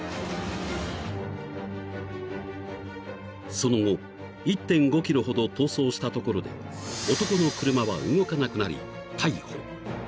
［その後１．５ｋｍほど逃走したところで男の車は動かなくなり逮捕］